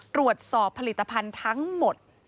ตรวจสอบผลิตภัณฑ์ทั้งหมด